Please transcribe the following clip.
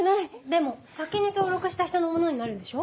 でも先に登録した人のものになるんでしょ？